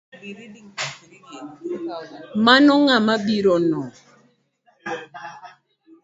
Mano ng’a mabirono?